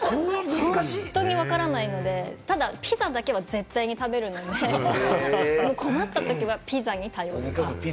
本当にわからないので、ただピザだけは絶対に食べるので、もう困ったときはピザに頼る。